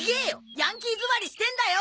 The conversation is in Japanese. ヤンキー座りしてんだよ！